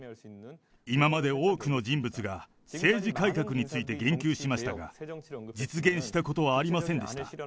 今まで多くの人物が、政治改革について言及しましたが、実現したことはありませんでした。